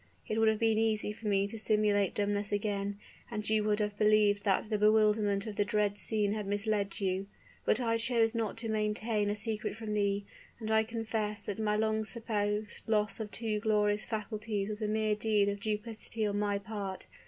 It would have been easy for me to simulate dumbness again; and you would have believed that the bewilderment of the dread scene had misled you. But I chose not to maintain a secret from thee and I confess that my long supposed loss of two glorious faculties was a mere deed of duplicity on my part.